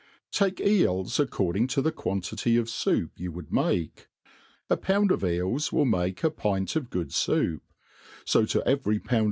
TAKE eels according to the quantity of foup you would make. A pound of eels will make a pint of good foup : fb ro every pound.